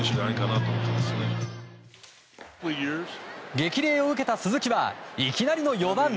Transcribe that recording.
激励を受けた鈴木はいきなりの４番。